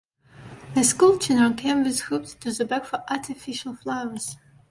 The schoolchildren came with hoops to beg for artificial flowers.